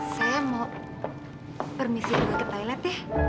saya mau permisi dulu ke toilet ya